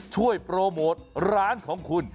ช่วยโปรโมทร้านของคุณ